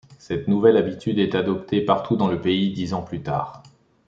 Cette nouvelle habitude est adoptée partout dans le pays, dix ans plus tard.